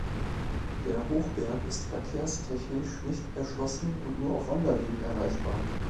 Der Hochberg ist verkehrstechnisch nicht erschlossen und nur auf Wanderwegen erreichbar.